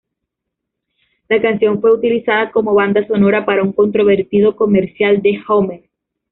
La canción fue utilizada como banda sonora para un controvertido comercial de Hummer.